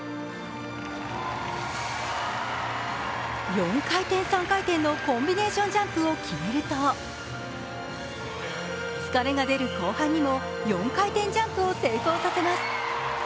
４回転、３回転のコンビネーションジャンプを決めると疲れが出る後半にも４回転ジャンプを成功させます。